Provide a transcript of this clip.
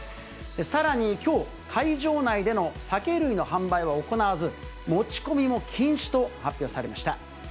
さらにきょう、会場内での酒類の販売は行わず、持ち込みも禁止と発表されました。